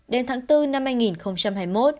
đến tháng bốn năm hai nghìn hai mươi một